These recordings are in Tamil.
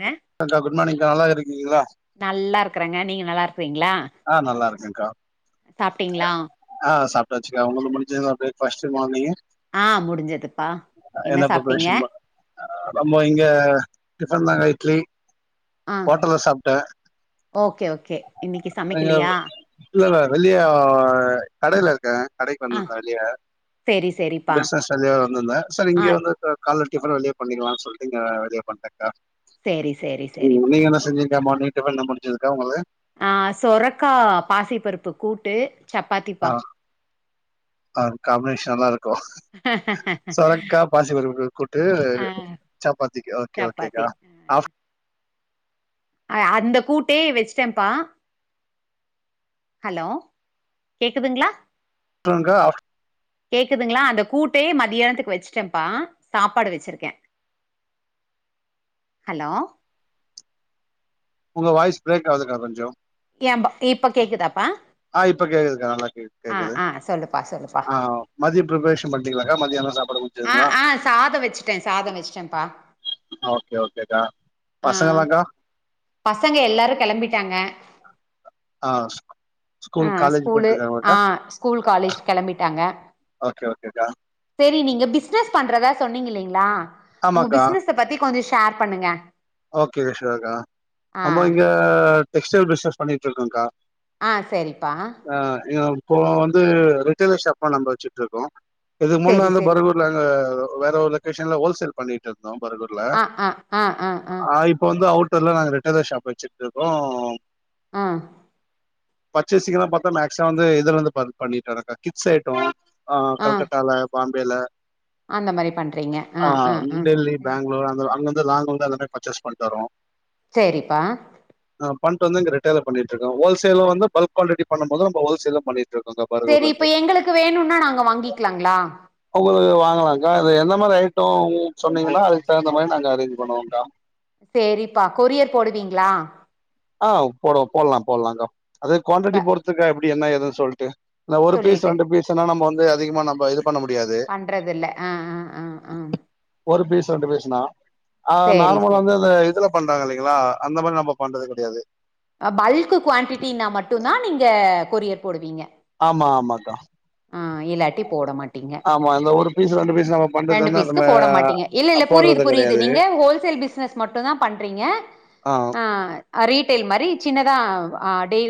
ங்க அக்கா குட் மார்னிங்க்கா நல்லா இருக்கீங்களா நல்லா இருக்கறேங்க நீங்க நல்லா ஆஹ் நல்லா இருக்கேன்கா சாப்பிட்டீங்களா டாச்சுகா உங்களுக்கு முடிஞ்சுதா பிரேக்ஃபாஸ்ட் மார்னிங் ஆஹ் முடிஞ்சதுப்பா என்ன சாப்பிட்டீங்க நம்ம இங்க டிஃபன் தாங்க இட்லி ஆஹ் ஹோட்டல்ல சாப்ட்டேன் ஓகே ஓகே இன்னைக்கு சமைக்கலையா இல்லங்க இல்லையே ஆஹ் கடைல இருக்கேன் கடைக்கு ஆ வந்திருந்தேன் வெளியே சேரி சேரிப்பா பிசனஸ் வேலையா வந்திருந்தேன் சரி ஆ இங்கே வந்து கால டிபன் வெளியே பண்ணிக்கலாம்னு சொல்லிட்டு இங்க வெளிய பண்டேன் செரி செரி செரிப்பா இப்பதான் மார்னிங் டிபன்லாம் முடிஞ்சுதுக்கா உங்களுக்கு ஆஹ் சொரக்கா பாசி பருப்பு கூட்டு சப்பாத்திப்பா ஆஹ் ஆஹ்காம்பினேஷன் நல்லா இருக்கும் சொரக்கா பாசி பருப்பு கூட்டு ஆ சப்பாத்திக்கு ஓகே சப்பாத்தி ஓகேக்கா ஆஹ அந்த கூட்டே வச்சுட்டேன்ப்பா ஹலோ கேக்குதுங்களா [unintelligible] கேக்குதுங்களா அந்த கூட்டே மதியானத்துக்கு வச்சுட்டேன்ப்பா சாப்பாடு வச்சிருக்கேன் ஹலோ உங்க வாய்ஸ் பிரேக் ஆகுதுக்கா கொஞ்சம் என் பா இப்ப கேக்குதாப்பா ஆஹ் இப்ப கேக்குதுக்கா நல்ல ஆ கேக்குது ஆ சொல்லுப்பா சொல்லுப்பா ஆஹ் மதியம் பிப்ரேஷன் பண்ணிட்டீங்களகா மதியம் என்ன சாப்பாடு ஆ ங்களா ஆ சாதோ வச்சுட்டே சாதோ வச்சுட்டேன்ப்பா ஓகே ஓகேக்கா ஆ பசங்களாகா பசங்க எல்லாரும் கிளம்பிட்டாங்க ஆஹ் ஆஹ் ஸ்கூலு ஆஹ் ஸ்கூல் காலேஜ் கிளம்பிட்டாங்க ஓகே ஓகேக்கா சரி நீங்க பிசினஸ் பண்றதா சொன்னீங்க இல்லலைங்களா உங்க ஆமாக்கா பிசினஸ் பத்தி கொஞ்சம் ஷேர் பண்ணுங்க ஓகே சுயர்க்கா ஆ நமக்கு இங்க டெக்ஸ்டைல் பசினஸ் பண்ணிட்டு இருக்கோம்கா ஆஹ் சரிப்பா இப்போ வந்து ரிஜாய்லர் ஷாப்லாம் நம்ம வச்சுட்டு இருக்கோம் இதுக்கு செரி முன்னால செரி பரபூர்ல வேற ஒரு லொகேஷன்ல ஹோல் சேல் பண்ணிட்டு இருந்து ஆஹ் ஆஹ் ஆஹ் ஆஹ் ஆஹ் இப்ப வந்து அவுட் ல்ல நாங்க ரிட்டலர் ஷாப் வச்சுட்டு இருக்கோம் ஆஹ பர்ச்சேசிக்கலாம் பாத்தா மேக்சிமம் வந்து இதுல இருந்து பண் பண்ணிட்டு இருக்கோம் கிட்ஸ் ஐட்டம் ஆஹ் ஆ கல்கட்டாலா பாம்பேல அந்த மாரி பண்றீங்க ஆ ஆ ஆஹ் ஆ டெல்லி ம் பெங்களூர் அங்க அங்க லாங்கு வந்த பர்ச்சேஸ் பண்ணிட்டு வருவோம் சேரி பா ஆஹ பண்ணிட்டு வந்து இங்க ரீடைல்ல பண்ணிட்டு இருக்கும் ஹோல்சேல் வந்து பல்க் குவாலிட்டி பண்ணும் போது நம்ம ஹோல்சேல் பண்ணி சரி இப்ப எங்களுக்கு வேணும்னா நாங்க வாங்கிக்கலாங்களா ஆஹா அக்கா அது எந்த மாதிரி ஐட்டம் சொன்னீங்கனா அதுக்கு தகுந்த மாதிரி நாங்க அரேஞ்ச் பண்ணுவோம்கா சேரிப்பா கொரியர் போடுவீங்களா ஆஹ் போடு போடலாம் போடலாம்க்கா அது குவான்டிட்டி ப பொருத்துக்க எபடி இப்டி என்ன ஏது சொல்ட்டு இல்ல ஒரு பீஸ் ரெண்டு பீஸ்ன்னா நம்ம வந்து இது அதிகமா நம்ம இதுப் பண்றது இல்ல ஆஹ் ஆஹ் ஆஹ் ஆஹ் ஒரு பீஸ் ரெண்டு பீஸ்னா ஆஹ் நார்மல சேரி வந்து இது இதுல பண்றாங்க இல்லைங்களா அந்த மாரி நம்ம பண்றது கெடயாது பல்க் குவான்டிட்டினா மட்டுந்தா நீங்க கொரியர் போடுவீங்க ஆமா ஆமாக்கா ஆஹ இல்லாட்டி போடமாட்டீங்க ஆமா அந்த ஒரு பீஸ் ரெண்டு பீஸ் நம்ம பண்றது ரெண்டு வந்து பீஸ்கு நம்ம போடமாட்டீங்க இல்ல இல்ல புரியுது போடுறது புரியுது கெடையாது நீங்க ஹோல்சேல் பிஸ்னஸ் மட்டுந்தா பண்றீங்க ஆ ஹ ரீடெய்ல் மாரி சின்ன தா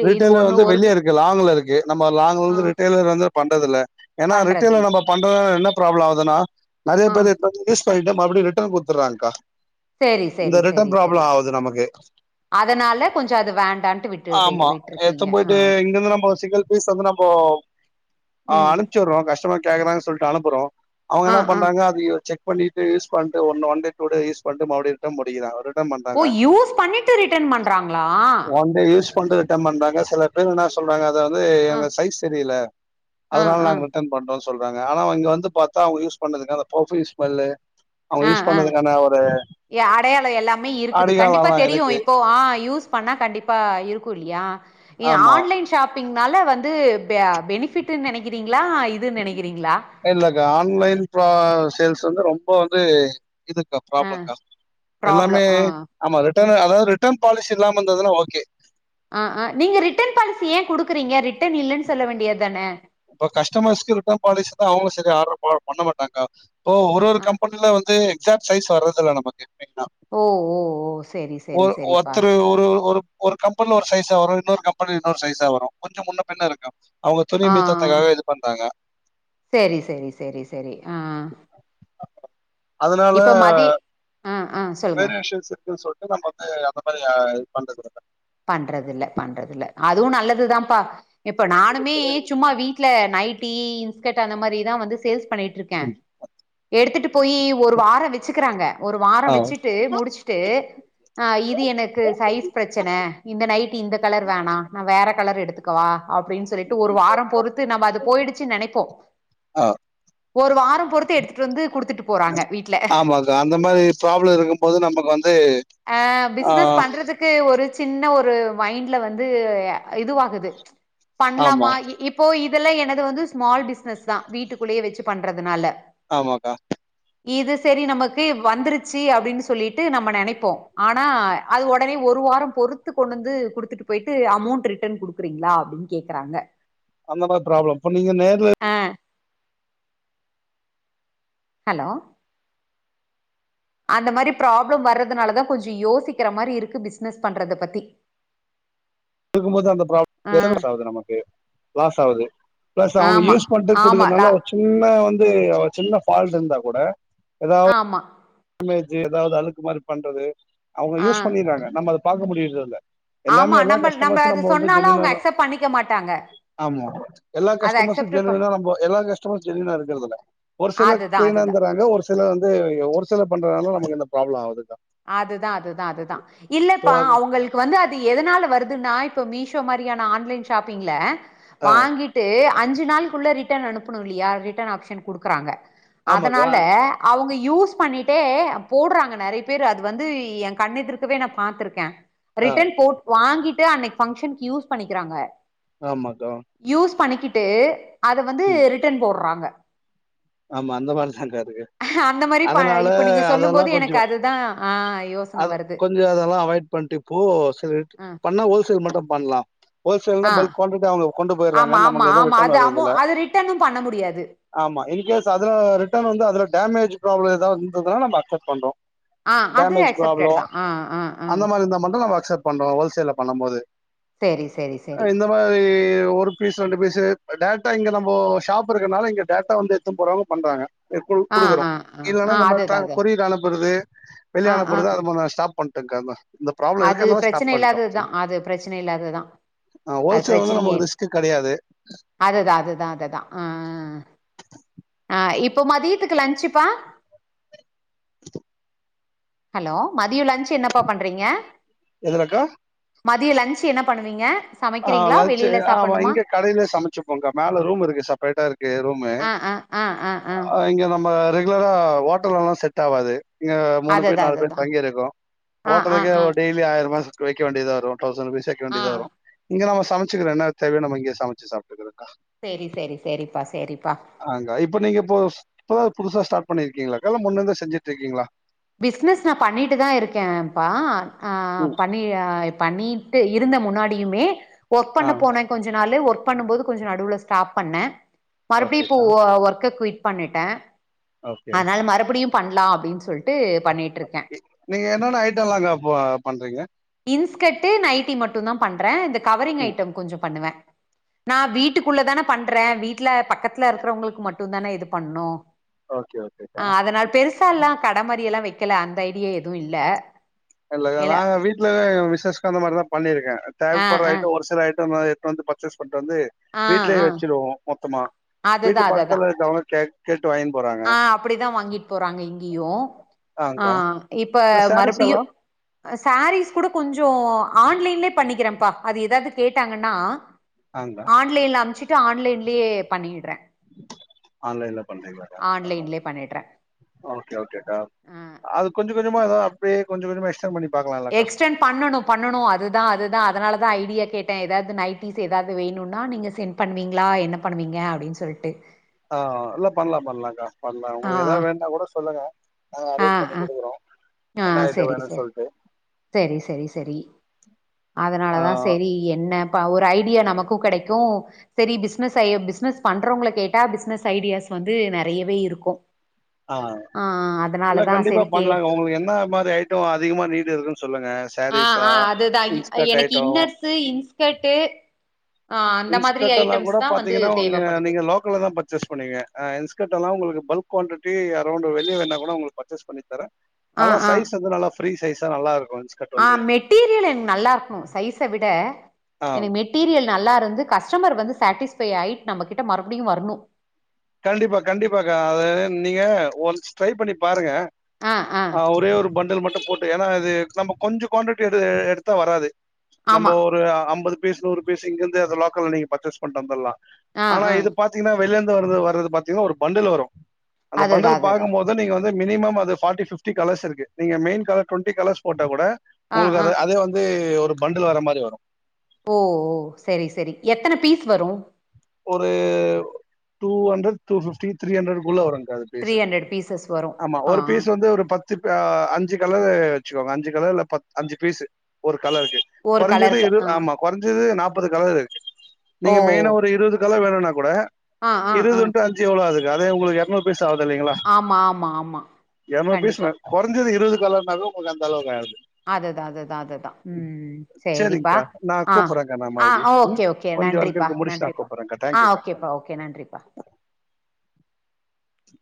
ரீட்டெயிலா வந்து வெளியே இருக்கு லாங்க்ல இருக்கு நம்ம லாங்க்ல ஆ இருந்து ரிட்டெயிலர் வந்து பண்றதுல ஏன்னா ரிட்டெயில பண்றதில்ல நம்ம பண்றதால என்ன ப்ராப்ளம் ஆகுதுன்னா நெறைய ஆ பேரு [unintelligible] பண்ணிட்டு மறுபடியு ரிட்டன் குத்துறாங்க்கா செரி செரி செரி செரி நமக்கு அதனால கொஞ்ச அது வேண்டான்ட்டு விட்டு ஆமா நேத்து விட்ருக்கீங்க ஆ போயிட்டு இங்கந்து நம்ம சிங்கிள் பீஸ் வந்து நம்ம ம் அனுப்ச்சிவுட்றோம் கஷ்டமர் கேக் குறாங்க சொல்ட்டு அனுப்புறோ அவுங்க ஆ என்ன ஆ பண்றாங்க அது செக் பண்ணிட்டு யூஸ் பண்ட்டு one one day today use பண்ட்டு மறுபடியு ரிட்டன் போட்டுக்கிறாங்க ஓ யூஸ் பண்ணிட்டு ரிட்டன் பண்றாங்களா பண்டு ரிட்டர்ன் பண்றாங்க சில பேர் என்ன சொல்றாங்க அத வந்து ஆ எங்க சைஸ் செரில ஆ அதனால ஆ நாங்க ரிட்டர்ன் பண்றோ சொல்றாங்க ஆனா இங்க வந்து பாத்தா அவுங்க யூஸ் பண்ணதுகாண ஃபர்ஃப்யூம் ஸ்மெல்லு ஆஹ் ஆஹ் அடையாள எல்லாமே இருக்குது கண்டிப்பா அடிகாலம்லாம் தெரியு இருக்கு இப்போ ஆ யூஸ் பண்ணா கண்டிப்பா இருக்கு புலியா ஏ ஆமா ஆன்லைன் ஷாப்பிங் நல்ல வந்து பெ பெனிபிட் நினைக்கிறீங் இல்லக்கா ஆன்லைன் ப சேல்ஸ் வந்து ரொம் இப்போ வந்து இதுக்கா ஆ ப்ராப்ளம்கா ப்ராப்ளோ எல்லாமே ஆ ஆமா ரிட்டன் ம் அதாவது டம் பாலிஸ் இல்லமந்ததுன ஓகே ஆஹ் ஆஹ் நீங்க ரிட்டர்ன் பாலிசி ஏன் குடுக் இருறீங்க ரிட்டர்ன் இல்லன்னு சொல்ல வேண்டியது தானே இப்ப கஸ்டமர்ஸ்க்கு ரிட்டர்ன் பாலிசி தான் அவங்களும் சரி ஆர்டர் பண்ண மாட்டாங்க ஓ ஒரு ஒரு ஆ கம்பெனில வந்து ஷேர் சைஸ் வறதில்ல நமக்கு ஓ ஓ ஓ செரி செரி ஒரு செரிப்பா ஒருத்தர் ஒரு ஒரு ஒரு கம்பெனி ஒரு சைசா வரும் இன்னொரு கம்பெனி இன்னொரு சைசா வரும் கொஞ்சம் முன்ன பின்ன இருக்கும் அவங்க துனி மித்த ஆஹ் செரி செரி செரி செரி ஆஹ் இப்ப மதி ஆ சொல்லுங்க வேற விஷேசத்த சொன் நம்ம வந்து அந்த மாரி இது பண்றதுல்ல பண்றது இல்ல பண்றது இல்ல அதுவும் நல்லதுதான்ப்பா இப்ப நானுமே சும்மா வீட்ல நைட் டி இன்ஸ்கட் அந்த மாரி தான் வந்து சேல்ஸ் பண்ணிட்டுருக்கேன் எடுத்துட்டு போய் ஒரு வாரம் வச்சுக்றாங்க ஒரு ஆ வாரம் வச்சுட்டு முடிச்ட்டு இது எனக்கு சைஸ் பிரச்சன இந்த நைட்டி இந்த கலர் வேணாம் நான் வேற கலர் எடுத்து க்கவா அப்டின்னு சொல்லிட்டு ஒரு வாரம் பொறுத்து நம்ம அது போயிடுச்சு நெனப்போம் ஆ ஒரு வாரம் பொறுத்து எடுத்துட்டு வந்து குடுத்துட்டு போறாங்க வீட்ல ஆமாக்கா. அந்த மாரி ப்ராப்ளம் இருக்கும்போது நமக்கு வந்து அஹ் ஆ பிசினஸ் பண்றதுக்கு ஒரு சின்ன ஒரு மைண்ட்ல வந்து இது இதுவாகுது ஆமா, பண்ணலாமா இப்போ இது இதெல்லாம் எனது வந்து ஸ்மால் பிஸ்னஸ் தான் வீட்டுக்குள்ளேயே வச்சு பண்றதுனால ஆமாக்கா இது செரி நமக்கு வந்துருச்சு அப்டின்னு சொல்லிட்டு நம்ம நெனைப்போம் ஆனா அது உடனே ஒரு வாரம் பொறுத்து கொண்டு வந்து குடுத்துட்டு போயிட்டு அமொண்ட்டு ரிட்டர்ன் குடுக்கறீங்களா அப்டின்னு கேக்குறாங்க அந்த மாரி ப்ராப்ளம் இப்ப நீங்க நேர்ல ஆ ஹலோ அந்த மாரி ப்ராப்ளம் வர்றதுனாலதான் கொஞ்சம் யோசிக்கிற மாரி இருக்கு பிசினஸ் பண்றத பத்தி இருக்கும்போது அந்த ஆ நமக்கு லாஸ் ஆகுது பிளஸ் அவங்க ஆமா யூஸ் பண்ணிட்டு ஆமா லா குடுக்கறனால சின்ன வந்து சின்ன ஃபால்ட் இருந்தா கூட ஆமா காலேஜி எதாது அலுக்கு மாரி பண்றது அவுங்க ஆ யூஸ் பண்ணிற்றாங்க நம்ம பாக்க முடிறதில்ல எல்லாமே ஆமா எல்லா நம்ம நம்ம கஸ்டமர்சு அது நம்ப வந்து சொன்னாலு ஜெனியுனா அவங்க தா அக்செப்ட் பண்ணிக்க மாட்டாங்க ஆமா எல்லா அத கஸ்டமர்சு அக்செப்ட் ப ஜென்யுனா நம்ப எல்லா கஸ்டமர்சு ஜென்யுனா இருக்றது இல்ல ஒரு சிலர் அதுதா க்ளீனா அதுதா இருந்துறாங்க ஒரு சிலர் வந்து ஒரு பண்றதுனால நமக்கு இந்த ப்ராப்ளம் ஆவுது அது தா அது தா அது தா ஸோ இல்லப்பா அதான் அவங்களுக்கு வந்து அது எதனால வருதுன்னா மீஷோ மாரியான ஆன்லைன் ஷாப்பிங்ல ஆ, வாங்கிட்டு அஞ்சி நாள் குள்ள ரிட்டன் அனுப்பனோ இல்லையா ரிட்டன் ஆப்ஷன் குடுக்குறாங்க ஆமாக்கா அதனால அவுங்க யூஸ் பண்ணிட்டே போடுறாங்க நெறைய பேரு அது வந்து ஏன் கண்ணெதிர்க்கவே இருக்கவே நா பாத்திருக்கேன் ஆ, ரிட்டன் போட் வாங்கிட் டு அன்னைக்கு பங்க்ஷன்க்கு யூஸ் பண்ணிக்கிறாங்க ஆமாக்கா யூஸ் பண்ணிக்கிட்டு அத வந்து ம், ரிட்டன் போட்றாங்க ஆமா அந்த மாரிதான்க்கா அது அந்த மாரி ப அதனால இப்ப நீங்க சொல்லும் அதெல்லா போது எனக்கு கொஞ்ஜோ அதுதா ஆ யோசன அது வருது கொஞ்ஜோ அதெல்லா அவாய்ட் பண்ணிட்டு இப்போ செரின்ட்டு ஆ பண்ணா ஓஸ் மட்டு பண்லான் ஹோல்சேல்னா ஆ பல்க் குவான்ட்டிட்டி அவங்களுக்கு கொண்டு போயிறாங்க ஆமா ஆமா நமக்கு எதும் ஆமா ரிட்டன் அது அமோ வர்றர்துல அது ரிட்டனு பண்ண முடியாது ஆமா இ அதுல ரிட்டன் வந்து அதுல டேமேஜ் ப்ராப்ளோ எதாது இருந்ததுன நம அக்செப்ட் பண்றோ ஆ அது டேமேஜ் ப்ராப்ளோ அக்செப்டட் தா ஆ ஆ ஆ அந்த மாரி இருந்தா மட்டு நம்ம அக்சப்ட் பண்றோ ஹோல்சேல்ல பண்ணும் போது சேரி சேரி சேரி இந்த மாரி ஒரு பீஸ் ரெண்டு பீஸ்சு டேரக்ட்டா இங்க நம்மோ ஷாப் இருக்கறனால இங்க டேரக்ட்டா வந்து ஏத்து போறாவங்க பண்றாங்க கு ஆ குடுக்குறோ ஆ ஆ இல்லனா ஆ நம்ம ட அதுதா அது கொரியர் அனுப்றது ஆ வெளிய ஆ அனுப்றது ஆ. அது மாரி நா ஸ்டாப் பண் டகர்ணா அது பிரச்சன இல்லாதது தா அது பிரச்சன இல்லாதது தா அது ஹோல்சேல் வந்து பிரச்சனையே நமக்கு ரிஸ்க் கிடையாது அது தா அது தா அது தா ஆ ஆ ஆ இப்போ மதியத்துக்கு லன்ச்சுப்பா ஹலோ மதியோ லன்ச் என்னப்பா பண்றீங்க எதுலக்கா மதியம் லன்ச் என்ன பண்ணுவீங்க ஆஹ் சமைக்கிறீங்களா லஞ்சு வெளியில ஆமா சாப்பட்ணுமா இங்க கடையிலயே சமைச்சுப்போங்கா மேல ரூம் இருக்கு செப்ரேட்டா இருக்கு ரூமு ஆ ஆ ஆ ஆ இங்க நம்ம ரெகுலரா ஓட்டல எல்லாம் செட் ஆவாது இங்க மூணு பேர் அதுதா நாலு அதுதா பேர் தங்கி இருக்கும் ஆ ஆ ஓட்டலகே ஆ ஒரு டெய்லி ஆயிரமா தொய்க வேண்டியது வரும் தௌசண்ட்ருபீஸ்வைக்க ஆ வேண்டியதான் வரும் இங்க நம்ம சமைச்சி என்னன தேவையோ நாம இங்கே சமைச்சு சாப்பிக்கறன் அக்கா சேரி சேரி சேரிப்பா சேரிப்பா ஆஹ் இப்ப நீங்க இப்ப புதுசா ஸ்டார்ட் பண்ணிருக்கீங்களா அக்கா இல்ல முன்னருந்து செஞ்சட்டு இருக்கீங்களா பிசினஸ் நான் பண்ணிட்டு தான் இருக்கேன்பா ஆ ம். பன்னிட் பண்ணிட்டு இருந்த முன்னாடியுமே ஒர்க் ஆ பண்ண போனன் கொஞ்ச நாள் ஒர்க் பண்ணும் போது கொஞ்சோ நடுவுல ஸ்டாப் பண்ணே மறுபடியும் இப்ப ஓகேக்கா. ஒர்க்குய் பண்ணிட்டேன் ஓகே. ஆனால் மறுபடியும் பண்ணலாம் அப்படின்னு சொல்லிட்டு பண்ணிட்டு இருக்கேன் இ நீங்க என்னென்ன ஐட்டம்லாம்க்கா ப பண்றீங்க? இன்ஸ்கட் நைட்டி மட்டும் தான் பண்றேன் இந்த கவரிங் ம். ஐட்டம் கொஞ்சோ பண்ணுவேன் நான் வீட்டுக்குள்ள தானே பண்றேன் வீட்டு ட்ல பன் பக்கத்துல இருக்கிறவங்களுக்கு மட்டு மட்டும் தானே இது பண்ணும் ஓகே, ஓகேக்கா. ஆஹ் அதனால பெருசா எல்லாம் கடைமாதிரி எல்லாம் வைக் ல அந்த ஐடியா எதுவு இல்ல இல்ல இல நாங்க வீட்டுல பிஸ்சனஸ்க்கு அந்த மாதிரிதான் பண்ணிருக்கேன் ஆ டேல் போற ஆ ஐட்டம் ஒரு சில ஐட்ட டமா எடுத்து பர்ச்சேஸ் பண்ணிட்டு வந்து ஆ வீட்லயே ஆ வச்சிருவோம் மொத்தமா வீட்டு பக்கத்தில்லவங்க கே கேட்டு வாங்கினு போறாங்க ஆஹ் அப்படிதான் வாங்கிட்டு போறாங்க இங்கையும் ஆங்க்கா ஆஹ் இப்ப இந்த சாரீஸ் எல்லா மறுபடியும் சாரீஸ் கூட கொஞ்சோ ஆன்லைன்லே பண்ணி நினைக்கிறேப்பா அது ஏதாவது கேட்டாங்கன்னா ஆங்க்கா ஆன்லைன்ல அமுச்சு ஆன்லைன்லேயே பண்ணிடுறே ஆன்லைன்ல பண்றீங்களாக்கா ஆன்லைன்லயே பண்ணிடுறே ஓக்கே ஓகேக்கா ஆ அது கொஞ்சோ கொஞ்சோ தான் அப்பயே கொஞ்ச கொஞ்சமா எக்ஸ்டண்ட் பண்ணிக் எக்ஸ்டென் பண்ணனும் பண்ணனும் அதுதான் அதுதான் அதனால தான் ஐடியா கேட்டேன் ஏதாவது நைட்டீஸ் ஏதாவது வேணும்னா நீங்க சென்ட் பண்ணுவீங்களா என்ன பண்ணுவீங்க அப்படின்னு சொல்லிட்டு ஆஹ் இல்ல பண்ணலாம் பண்ணலாம்க்கா பண்ணலாம் உங்களுக்கு ஏதாவது வேண்ணுனா கூட சொல்லுங்க நாங்க அரேஞ்ச் ஆஹ் பண்ணி ஆஹ் குடுக்குறோ ஆஹ் என்ன ஐட்டோ செரி வேணுன்னு செரி சொல்ட்டு செரி செரி செரி ஆ அதனாலதான் செரி என்ன ஒரு ஜப் பிரியா நமக்கும் கெடைக்கும் சரி பிசினஸ் ஐ பிஸ்னஸ் பண்றவங்கள கேட்டா பிஸ்னஸ் ஐடியாஸ் வந்து நெறையவே இருக்கும் ஆ ஆஹ் ஆஹ் இல்ல கண்டிப்பா பண்ணலாங்க உங்களுக்கு என்ன மாதிரி ஐட்டம் அதிகமா நீடு இருக்குன்னு சொல்லுங்க ஆஹ் சாரீஸா ஆஹ் அதுதான் இன்ஸ்கர்ட் எனக்கு ஐட்டோ இன்னர்ஸ் இன்ஸ்கர்ட் இன்ஸ்க்ட் எல்லாம் கூட பாத்தீங்கன்னாங்க தேவப்படுது நீங்க லோக்கல்ல தான் பர்ச்சேஸ் பண்ணுவீங்க இன்ஸ்கட் எல்லாம் உங்களுக்கு பல்க் குவன்றட்டி யரோண்ட வெளிய வேணா கூட உங்களுக்கு பர்ச்சேஸ் பண்ணி தரே ஆ ஆலா ஆ சைஸ் வந்து நல்லா ப்ரீ சைஸா நல்லா இருக்கு ஆ மெட்டீரியல் எனக்கு நல்லாயிருகனு சைச விட ஆ எனக்கு மெட்டீரியல் நல்லாயிருந்து கஸ்டமர் வந்து சாட்டிஸ்பைட் ஆயிட்டு நம்ம கிட்ட மறுபடியும்வர்ணு கண்டிப்பா கண்டிப்பாகா அது நீங்க ஒன்ஸ் ட்ரை பண்ணி பாருங்க ஆ ஆ ஆஹஒரே ஒரு பண்டல் மட்டு போட்டு யின்னா அது நம்ம கொஞ்ச குவான்ட்டி எடு எடுதா வராது ஆமா நம்ம ஒரு அம்பது பீஸ்நூறு பீஸ் இங்கிருந்து அது லோகல நீங்க பர்சஸ் பண்ணிட்டுவந்தலாம் ஆ ஆனா ஆ இது பாத்திங்ன்னா வெள்ளேருந்து வரது வர் வது பாத்திகன்னா ஒரு பண்டுல வரு அந்த அதுதா பண்டல் அதுதா பாக்குபோதே நீங்க வந் மேம் மினிமம் அது ப்ஹடி பிப்டி கலர்ஸ் இருக்கு நீங்க மேய்ன் கலர் டுவெண்டி கலர்ஸ் போட்டா கூட ஆ உங்களுக்கு ஆ அத அதே வந்து ஒரு பண்டல வர மாதிரி வரும் ஓஓ செரி செரி எத்தனை பீஸ் வரும் ஒரு two hundred two fifty three hundred குள்ள வரும்ங்க து த்ரீ பீஸ் ஹண்ட்ரட் பீசஸ் வரு ஆமா ஆ ஒரு ஆ பீஸ் வந்து ஒரு பத்து பத்து அஞ்சு கலர் வச்சுக்கோங்க அஞ்சு கலர் இல்ல பத்து அஞ்சு பீஸ் ஒரு. கலருக்கு ஒரு குறஞ்சது கலருக்கு எ ஆ ஆமா குறஞ்சது நாற். முப்பது கலரு இருக்கு. ஓ நீங்க ஓ. மெயினா ஒரு. க்கெல்லா வேணும்னா கூட. ஆ ஆ ஆ இருபது இன்டு அஞ்சு எவ்ளோ ஆகுது. அதே உங்களுக்கு எரநூரு பீஸ். ஆகுது இல்லைங்களா. ஆமா ஆமா ஆமா எரநூரு கண்டிப்பா பீஸ்னா குறஞ்சது இருபது. இந்தலவுனாவே உங்களுக்கு அந்தளவுக்கு ஆயிடு. அதுதா அதுதா அதுதா உம் சேரிப்பா. சேரிங்க்கா நா ஆஹ கூப்புறேங்க்கா நா மறுபடியு ஆஹ ம் ஓகே ஓகே கொஞ்சோ ஒர்க் நன்றிப்பா இருக்கு முடிச்சுட்டு நா நன்றிப்பா. கூப்புறேங்க்கா ஆஹ தேங்க்யூக்கா ஓகேப்பா ஓகே நன்றிப்பா. ச்சு.